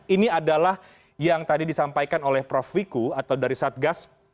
ini adalah yang tadi disampaikan oleh prof wiku atau dari satgas